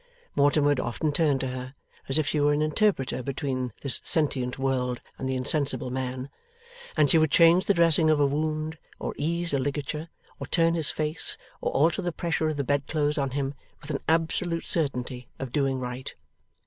Mortimer would often turn to her, as if she were an interpreter between this sentient world and the insensible man; and she would change the dressing of a wound, or ease a ligature, or turn his face, or alter the pressure of the bedclothes on him, with an absolute certainty of doing right.